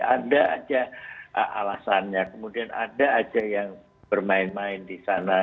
ada aja alasannya kemudian ada aja yang bermain main di sana